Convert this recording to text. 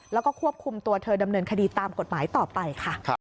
แล้วก็ควบคุมตัวเธอดำเนินคดีตามกฎหมายต่อไปค่ะ